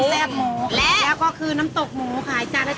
แล้วก็คือน้ำตกหมูขายจานละ๗๐บาท